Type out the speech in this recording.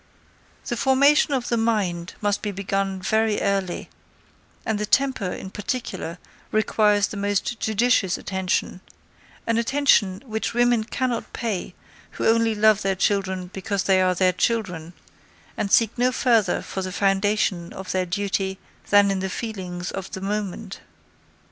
The formation of the mind must be begun very early, and the temper, in particular, requires the most judicious attention an attention which women cannot pay who only love their children because they are their children, and seek no further for the foundation of their duty, than in the feelings of the moment.